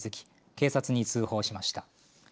警察に通報しました。